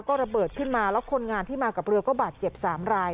ก็ระเบิดขึ้นมาแล้วคนงานที่มากับเรือก็บาดเจ็บ๓ราย